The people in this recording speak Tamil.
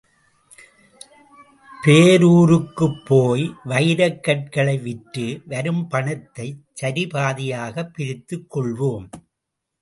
பேரூருக்குப்போய் வைரக் கற்களை விற்று, வரும் பணத்தை சரிபாதியாகப் பிரித்துக் கொள்வோம்.